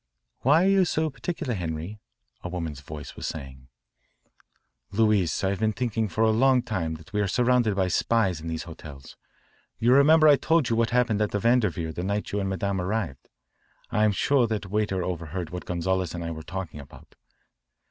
"Why are you so particular, Henri?" a woman's voice was saying. "Louise, I've been thinking for a long time that we are surrounded by spies in these hotels. You remember I told you what happened at the Vanderveer the night you and Madame arrived? I'm sure that waiter overheard what Gonzales and I were talking about."